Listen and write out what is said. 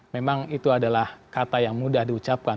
memang itu adalah kata yang mudah diucapkan